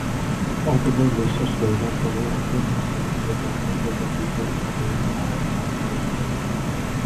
অতঃপর নিঃশ্বাস লইবার সময় অপর নাসারন্ধ্র বন্ধ করিয়া বিপরীতভাবে উহার অভ্যাস করিতে হইবে।